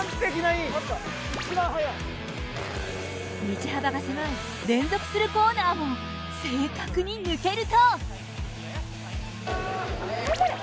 道幅が狭い連続するコーナーも正確に抜けると。